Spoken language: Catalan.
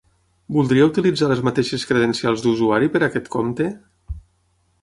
Voldria utilitzar les mateixes credencials d'usuari per aquest compte?